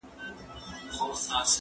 کېدای سي خبري اوږدې سي؟!